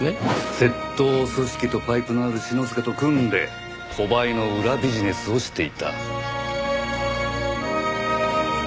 窃盗組織とパイプのある篠塚と組んで故買の裏ビジネスをしていた。